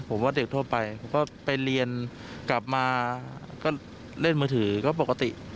ผมว่าเด็กทั่วไปผมก็ไปเรียนกลับมาก็เล่นมือถือก็ปกติ